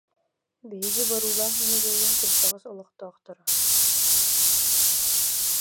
Биһиги Боруулаах нэһилиэгин кырдьаҕас олохтоохторо М